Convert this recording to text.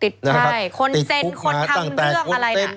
ใช่คนเซ็นคนทำเรื่องอะไรน่ะ